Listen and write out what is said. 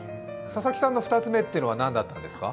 佐々木さんの２つ目は何だったんですか？